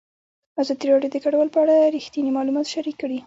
ازادي راډیو د کډوال په اړه رښتیني معلومات شریک کړي.